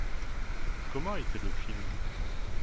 Comment était le film ?